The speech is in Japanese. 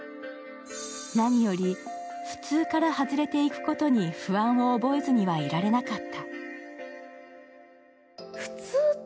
何より、普通から外れていくことに不安を覚えずにはいられなかった。